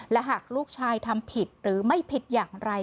และหากลูกชายทำผิดหรือไม่ผิดอย่างไร